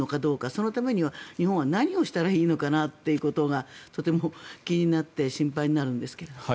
そのためには日本は何をしたらいいのかなということがとても気になって心配になるんですが。